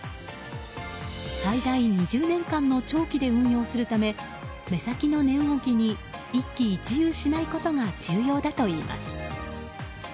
最大２０年間の長期で運用するため目先の値動きに一喜一憂しないことが重要だといいます。